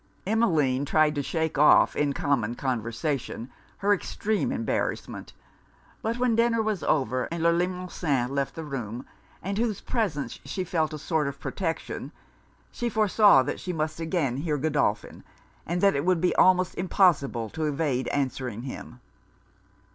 Emmeline tried to shake off, in common conversation, her extreme embarrassment. But when dinner was over, and Le Limosin left the room, in whose presence she felt a sort of protection, she foresaw that she must again hear Godolphin, and that it would be almost impossible to evade answering him.